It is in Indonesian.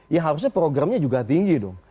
ya harusnya programnya juga tinggi dong